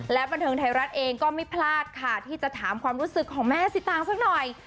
บันเทิงไทยรัฐเองก็ไม่พลาดค่ะที่จะถามความรู้สึกของแม่สิตางสักหน่อย